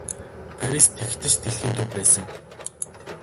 Парис тэгэхэд ч дэлхийн төв байсан.